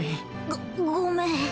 ごごめん